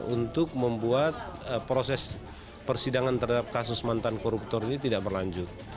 untuk membuat proses persidangan terhadap kasus mantan koruptor ini tidak berlanjut